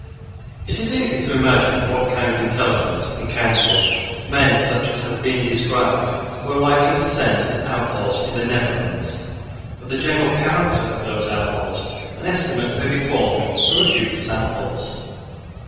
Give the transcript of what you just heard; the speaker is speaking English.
It is easy to imagine what kind of intelligence and counsel men, such as have been described, were likely to send to the outlaws in the Netherlands. Of the general character of those outlaws an estimate may be formed from a few samples.